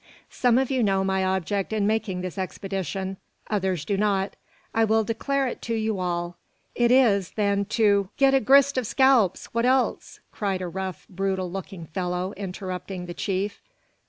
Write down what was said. "Some of you know my object in making this expedition. Others do not. I will declare it to you all. It is, then, to " "Git a grist of scalps; what else?" cried a rough, brutal looking fellow, interrupting the chief.